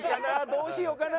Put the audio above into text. どうしようかな？